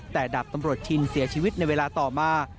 แต่ดาบตำรวจชินเสียชีวิตในเวลาต่อมา